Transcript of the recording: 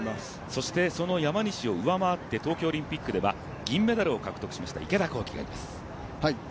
そしてその山西を上回って東京オリンピックでは銀メダルを獲得しました、池田向希がいます。